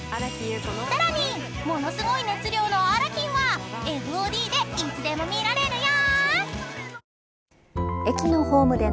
［さらにものすごい熱量のあらきんはＦＯＤでいつでも見られるよ］